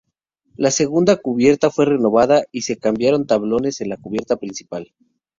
La segunda cubierta fue renovada y se cambiaron tablones en la cubierta principal.